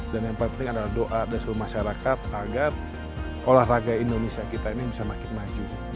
yang paling penting adalah doa dari seluruh masyarakat agar olahraga indonesia kita ini bisa makin maju